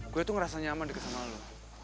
gue tuh ngerasa nyaman deket sama allah